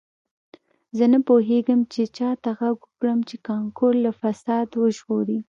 زه نه پوهیږم چې چا ته غږ وکړم چې کانکور له فساد وژغوري